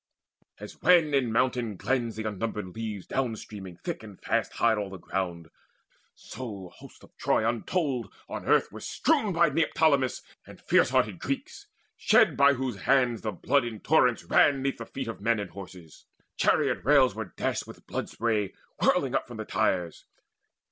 As when in mountain glens the unnumbered leaves Down streaming thick and fast hide all the ground, So hosts of Troy untold on earth were strewn By Neoptolemus and fierce hearted Greeks, Shed by whose hands the blood in torrents ran 'Neath feet of men and horses. Chariot rails Were dashed with blood spray whirled up from the tyres.